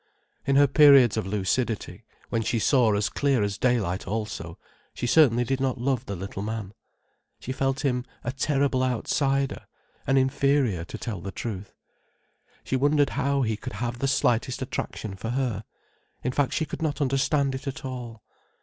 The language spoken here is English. In her periods of lucidity, when she saw as clear as daylight also, she certainly did not love the little man. She felt him a terrible outsider, an inferior, to tell the truth. She wondered how he could have the slightest attraction for her. In fact she could not understand it at all.